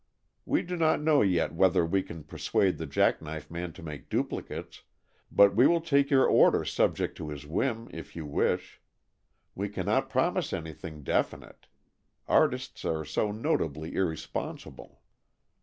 We do not know yet whether we can persuade the Jack knife Man to make duplicates, but we will take your order subject to his whim, if you wish. We cannot promise anything definite. Artists are so notably irresponsible."